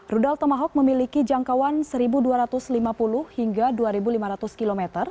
rudal tomahawk memiliki jangkauan seribu dua ratus lima puluh hingga dua lima ratus km